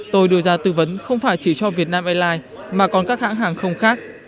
tôi đưa ra tư vấn không phải chỉ cho việt nam airlines mà còn các hãng hàng không khác